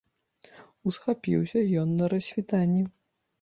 Усхапіўся ён на рассвітанні.